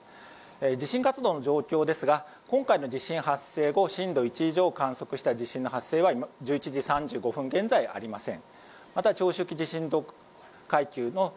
地震活動の状況ですが今回の地震発生後震度１以上を観測した地震の発生は１１時３５分現在ありません。